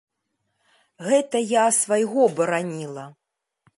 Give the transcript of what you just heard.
Гэта я свайго бараніла.